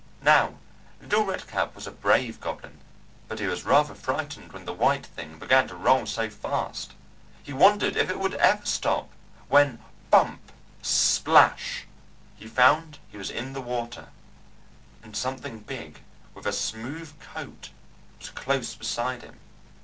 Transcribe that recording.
Now little Red Cap was a brave goblin, but he was rather frightened when the White Thing began to roll so fast. He wondered if it would ever stop, when Bump! Splash! he found he was in the water, and something big with a smooth coat was close beside him.